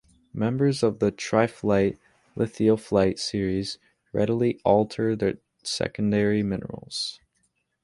Members of the triphylite-lithiophilite series readily alter to secondary minerals.